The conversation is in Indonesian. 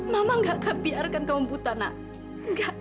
mama nggak akan biarkan kamu buta nak